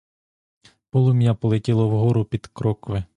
Полум'я полетіло вгору під крокви.